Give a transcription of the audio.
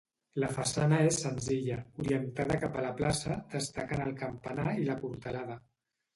La façana és senzilla, orientada cap a la plaça, destacant el campanar i la portalada.